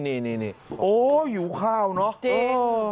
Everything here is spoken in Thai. อ๋อหิวข้าวน่ะเออจริง